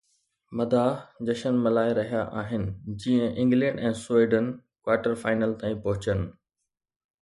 مداح جشن ملهائي رهيا آهن جيئن انگلينڊ ۽ سويڊن ڪوارٽر فائنل تائين پهچن